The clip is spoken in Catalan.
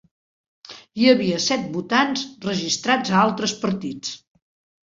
Hi havia set votants registrats a altres partits.